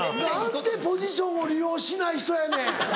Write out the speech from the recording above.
何てポジションを利用しない人やねん。